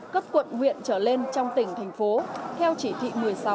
cấp quận huyện trở lên trong tỉnh thành phố theo chỉ thị một mươi sáu